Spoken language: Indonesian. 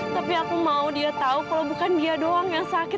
tapi aku mau dia tahu kalau bukan dia doang yang sakit